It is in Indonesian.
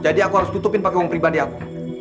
jadi aku harus tutupin pake uang pribadi aku